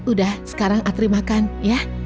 udah sekarang atri makan ya